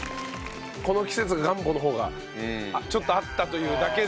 この季節がガンボの方がちょっと合ったというだけでね。